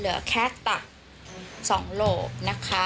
เหลือแค่ตัก๒โหลบนะคะ